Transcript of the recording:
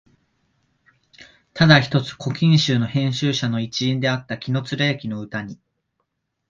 ただ一つ「古今集」の編集者の一員であった紀貫之の歌に、